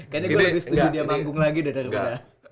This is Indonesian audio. kayaknya gue lebih setuju dia manggung lagi daripada